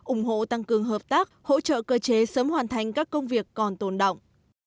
ủng hộ tăng cường hợp tác hỗ trợ cơ chế sớm hoàn thành các công việc còn tồn động